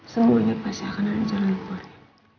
semuanya pasti akan ada jalan kembali